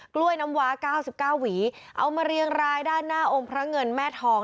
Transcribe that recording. กล้วยน้ำว้า๙๙หวีเอามาเรียงรายด้านหน้าองค์พระเงินแม่ทอง